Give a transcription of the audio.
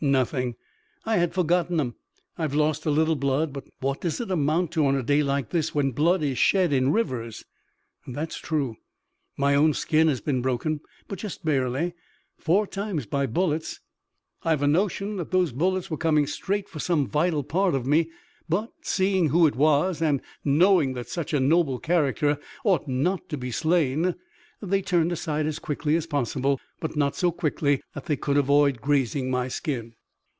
"Nothing, I had forgotten 'em. I've lost a little blood, but what does it amount to on a day like this, when blood is shed in rivers?" "That's true. My own skin has been broken, but just barely, four times by bullets. I've a notion that those bullets were coming straight for some vital part of me, but seeing who it was, and knowing that such a noble character ought not to be slain, they turned aside as quickly as possible, but not so quickly that they could avoid grazing my skin."